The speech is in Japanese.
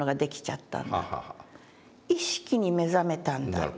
意識に目覚めたんだ」と。